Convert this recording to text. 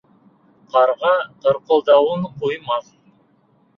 Ҡарға ҡарҡылдауын ҡуймаҫ.